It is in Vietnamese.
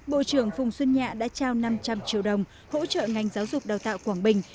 bộ trưởng phùng xuân nhạ đã trao năm trăm linh triệu đồng hỗ trợ ngành giáo dục đào tạo quảng bình